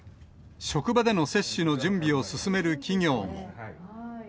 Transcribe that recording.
職場での接種の準備を進める企業も。